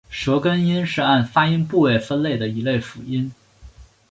舌根音是按发音部位分类的一类辅音。